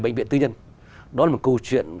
bệnh viện tư nhân đó là một câu chuyện